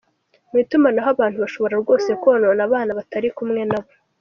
Mu itumanaho abantu bashobora rwose konona abana batari kumwe nabo.